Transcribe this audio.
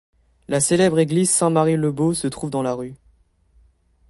La célèbre église St Mary-le-Bow se trouve dans la rue.